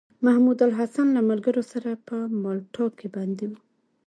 محمودالحسن له ملګرو سره په مالټا کې بندي و.